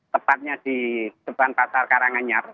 tepatnya di depan pasar karanganyar